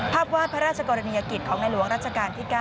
ภาพวาดพระราชกรณียกิจของในหลวงรัชกาลที่๙